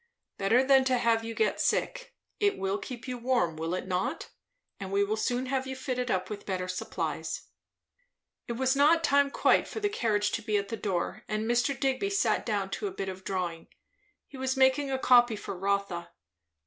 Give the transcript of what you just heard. "Better than to have you get sick. It will keep you warm, will it not? and we will soon have you fitted up with better supplies." It was not time quite for the carriage to be at the door, and Mr. Digby sat down to a bit of drawing; he was making a copy for Rotha.